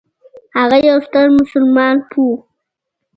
هغه یو ستر مسلمان پوه و.